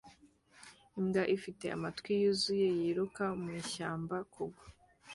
Imbwa ifite amatwi yuzuye yiruka mu ishyamba kugwa